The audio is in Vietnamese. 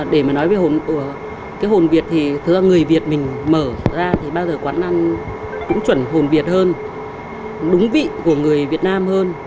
để mà nói về cái hồn việt thì thường ra người việt mình mở ra thì bao giờ quán ăn cũng chuẩn hồn việt hơn đúng vị của người việt nam hơn